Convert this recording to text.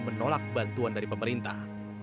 menolak bantuan dari pemerintah